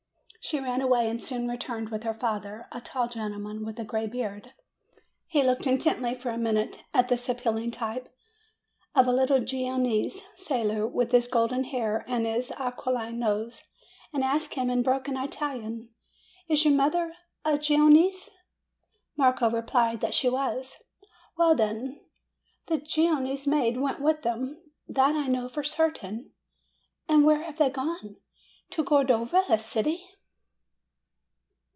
She ran away, and soon returned with her father, a tall gentleman, with a gray beard. He looked in tently for a minute at this appealing type of a little Genoese sailor, with his golden hair and his aquiline nose, and asked him in broken Italian, "Is your mother a Genoese?" Marco replied that she was. "Well, then, the Genoese maid went with them; that I know for certain." "And where have they gone?" "To Cordova, a city."